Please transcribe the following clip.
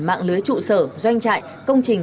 mạng lưới trụ sở doanh trại công trình